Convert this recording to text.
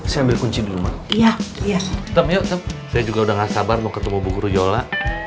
saya ambil kunci dulu ma iya iya tem yuk tem saya juga udah nggak sabar mau ketemu bu guru yola